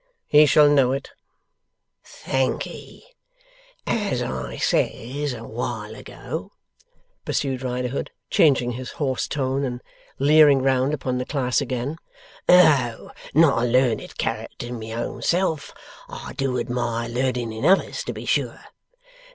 'He shall know it.' 'Thankee. As I says a while ago,' pursued Riderhood, changing his hoarse tone and leering round upon the class again, 'though not a learned character my own self, I do admire learning in others, to be sure!